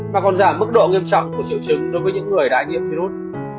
mà còn giảm mức độ nghiêm trọng của triệu chứng đối với những người đã nhiễm virus